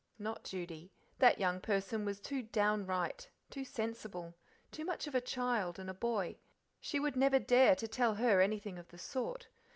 Not Judy: that young person was too downright, too sensible, too much of a child and a boy she would never dare to tell her anything of the sort.